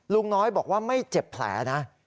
ลุงน้อยบอกว่าไม่เจ็บแผลนะ